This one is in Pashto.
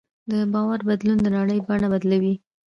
د باور بدلون د نړۍ بڼه بدلوي.